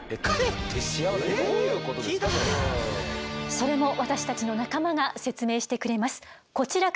それも私たちの仲間が説明してくれます。